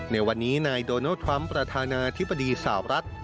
ในวันนี้นายโดนัลดทรัมป์ประธานาธิบดีสาวรัฐ